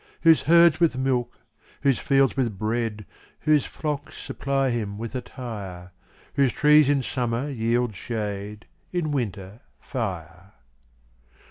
Whose herds with milk, whose fields with bread, Whose flocks supply him with attire; Whose trees in summer yield shade, In winter, fire.